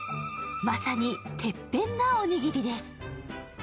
まさにてっぺんなおにぎりです。